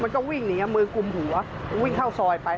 ต้องวิ่งหนีมือกลุ่มหัววิ่งเข้าซอยไป